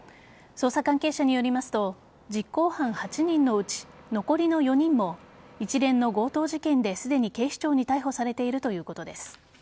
捜査関係者によりますと実行犯８人のうち残りの４人も一連の強盗事件ですでに警視庁に逮捕されているということです。